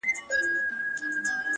جنازې دي چي ډېرېږي د خوارانو!.